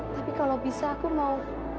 tapi kalau bisa aku mau